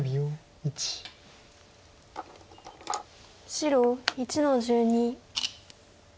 白１の十二。